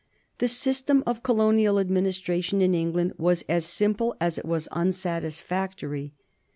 The system of colonial administration in England was as simple as it was unsatisfactory.